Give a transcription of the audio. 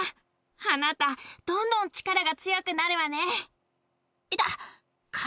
あなたどんどん力が強くなるわね。